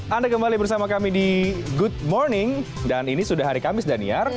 anda kembali bersama kami di good morning dan ini sudah hari kamis daniar